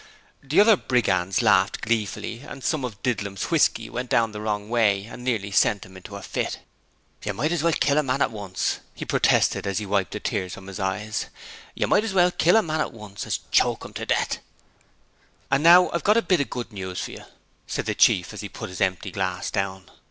The other brigands laughed gleefully, and some of Didlum's whisky went down the wrong way and nearly sent him into a fit. 'You might as well kill a man at once,' he protested as he wiped the tears from his eyes, 'you might as well kill a man at once as choke 'im to death.' 'And now I've got a bit of good news for you,' said the Chief as he put his empty glass down.